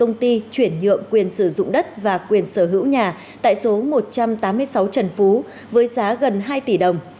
ông trung đã đại diện công ty chuyển nhượng quyền sử dụng đất và quyền sở hữu nhà tại số một trăm tám mươi sáu trần phú với giá gần hai tỷ đồng